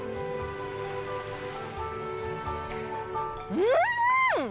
うん！